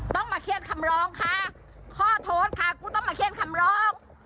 ต้องมาเครียดคำร้องค่ะข้อโทษค่ะกูต้องมาเครียดคำร้อง